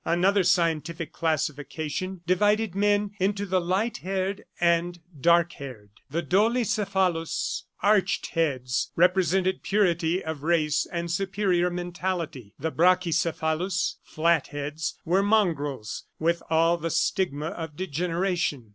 Another scientific classification divided men into the light haired and dark haired. The dolicephalous (arched heads) represented purity of race and superior mentality. The brachicephalous (flat heads) were mongrels with all the stigma of degeneration.